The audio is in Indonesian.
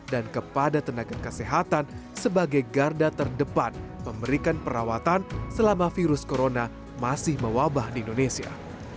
dan kepada tenaga kesehatan sebagai garda terdepan pemberikan perawatan selama virus corona masih mewabah di indonesia